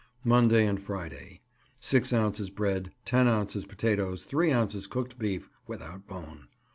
Monday and Friday 6 ounces bread, 10 ounces potatoes, 3 ounces cooked beef (without bone).